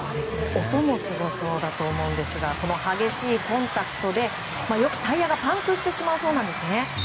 音もすごそうだと思うんですがこの激しいコンタクトで、よくタイヤがパンクするそうです。